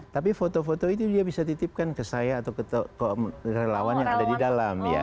tapi foto foto itu dia bisa titipkan ke saya atau ke relawan yang ada di dalam ya